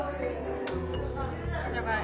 やばい。